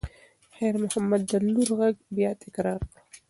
خیر محمد د لور غږ بیا تکرار کړ.